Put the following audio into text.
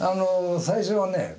最初はね